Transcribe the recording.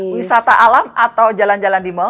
wisata alam atau jalan jalan di mal